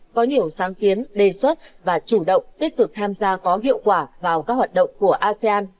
có nhiều sáng kiến đề xuất và chủ động tích cực tham gia có hiệu quả vào các hoạt động của asean